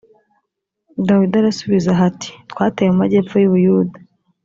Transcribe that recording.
dawidi arasubiza h ati twateye mu majyepfo y u buyuda